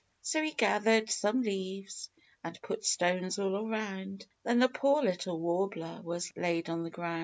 So he gathered some leaves, and put stones all around, Then the poor little warbler was laid on the ground.